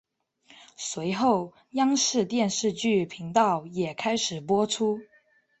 随后央视电视剧频道也开始播出。